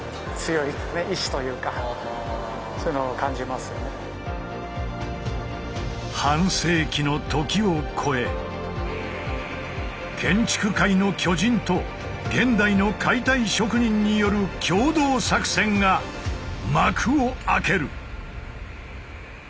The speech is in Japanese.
やっぱりこの半世紀の時をこえ建築界の巨人と現代の解体職人による共同作戦が幕を開ける！